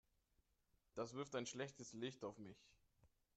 Das wirft ein schlechtes Licht auf mich.